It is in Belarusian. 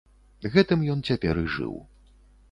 Гэтым ён цяпер і жыў.